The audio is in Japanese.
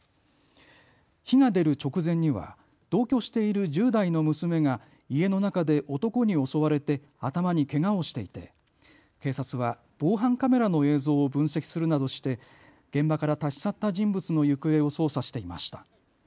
火が出る直前には同居している１０代の娘が家の中で男に襲われて頭にけがをしていて警察は防犯カメラの映像を分析するなどして現場から立ち去った人物の行方を捜査していました。